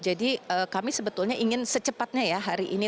jadi kami sebetulnya ingin secepatnya ya hari ini